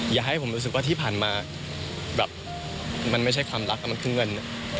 อย่าให้ผมรู้สึกว่าที่ผ่านมาแบบมันไม่ใช่ความรักแล้วมันขึ้นเงิน